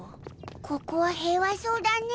ここは平和そうだね。